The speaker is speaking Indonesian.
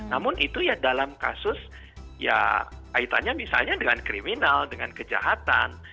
namun itu ya dalam kasus ya kaitannya misalnya dengan kriminal dengan kejahatan